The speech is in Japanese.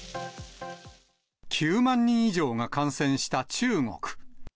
９万人以上が感染した中国。